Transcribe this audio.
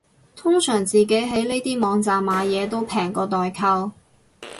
通常自己喺呢啲網站買嘢都平過代購